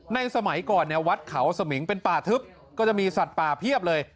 สมัยก่อนเนี่ยวัดเขาสมิงเป็นป่าทึบก็จะมีสัตว์ป่าเพียบเลย